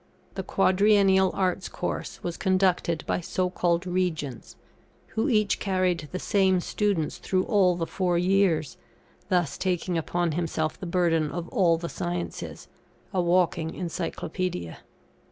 The quadriennial Arts' course was conducted by so called Regents, who each carried the same students through all the four years, thus taking upon himself the burden of all the sciences a walking Encyclopaedia.